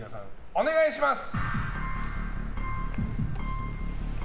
お願いします。